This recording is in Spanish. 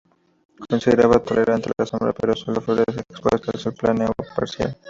Considerada tolerante a la sombra, pero solo florece expuesta a sol pleno o parcial.